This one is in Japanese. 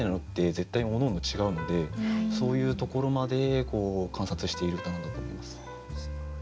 絶対おのおの違うのでそういうところまで観察している歌なんだと思います。